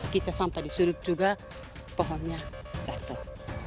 kita sampai di sudut juga pohonnya jatuh